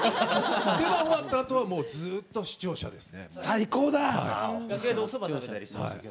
リハ終わったあとはずっと視聴者ですね。